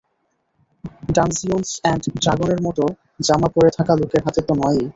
Dungeons and ড্রাগনের মতো জামা পরে থাকা লোকের হাতে তো নয়ই।